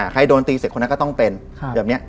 ใครโดนตีเสร็จคนนั้นก็ต้องเป็น